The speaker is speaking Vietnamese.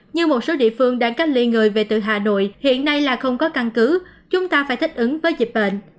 như một số địa phương đang cách ly người về từ hà nội hiện nay là không có căn cứ chúng ta phải thích ứng với dịch bệnh